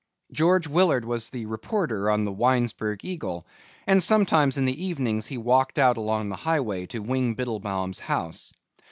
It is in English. George Willard was the reporter on the Winesburg Eagle and sometimes in the evenings he walked out along the highway to Wing Biddlebaum's house.